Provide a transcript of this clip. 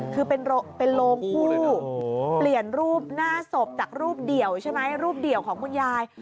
คือเป็นโลงคู่เปลี่ยนรูปหน้าศพจากรูปเดี่ยวใช่ไหมรูปเดี่ยวของคุณยาย